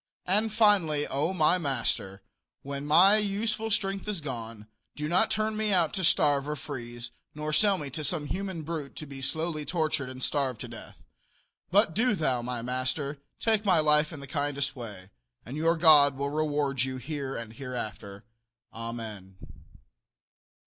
And finally, O, my master, when my useful strength is gone, do not turn me out to starve or freeze, nor sell me to some human brute to be slowly tortured and starved to death, but do thou, my master, take my life in the kindest way, and your God will reward you here and hereafter. Amen.